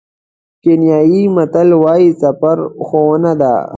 کینیايي متل وایي سفر ښوونه ده.